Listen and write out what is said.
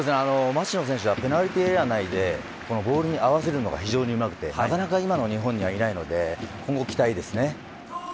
町野選手はペナルティーエリア内でボールに合わせるのが非常にうまいのでなかなかいないので今後に期待です。